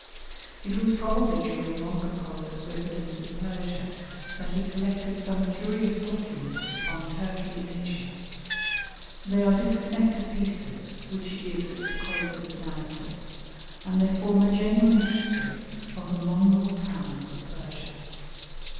It was probably during Marco Polo's residence in Persia that he collected some curious documents upon Turkey in Asia; they are disconnected pieces, which he gives at the close of his narrative, and they form a genuine history of the Mongol Khans of Persia.